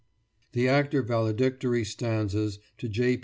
THE ACTOR VALEDICTORY STANZAS TO J.